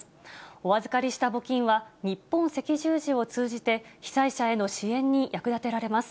お預かりした募金は、日本赤十字を通じて、被災者への支援に役立てられます。